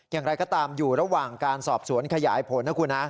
อย่างไรก็ตามอยู่ระหว่างการสอบสวนขยายผลนะคุณฮะ